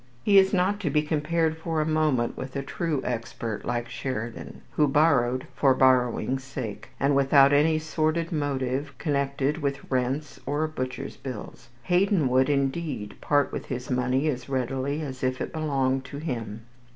He is not to be compared for a moment with a true expert like Sheridan, who borrowed for borrowing's sake, and without any sordid motive connected with rents or butchers' bills. Haydon would, indeed, part with his money as readily as if it belonged to him.